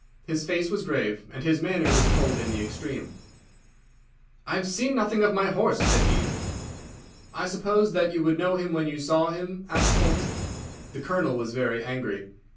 His face was grave, and his manner was cold in the extreme. "I have seen nothing of my horse," said he. "I suppose that you would know him when you saw him?" asked Holmes. The Colonel was very angry.